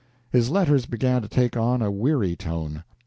His letters began to take on a weary tone.